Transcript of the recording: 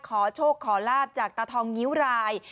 ขอโชคขอลาบจากตาทองงิ้วราย